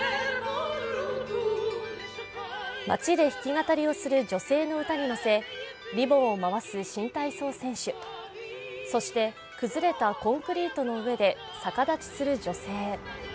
街で弾き語りをする女性の歌に乗せリボンを回す新体操選手、そして崩れたコンクリートの上で逆立ちする女性。